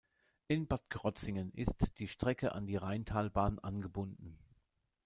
In Bad Krozingen ist die Strecke an die Rheintalbahn angebunden.